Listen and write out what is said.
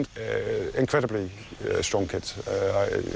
ฉันกำลังกลัว